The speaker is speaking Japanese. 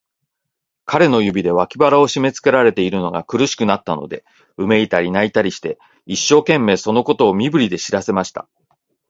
彼の指で、脇腹をしめつけられているのが苦しくなったので、うめいたり、泣いたりして、一生懸命、そのことを身振りで知らせました。